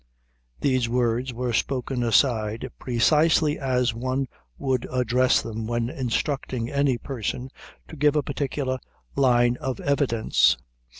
These words were spoken aside, precisely as one would address them when instructing any person to give a particular line of evidence.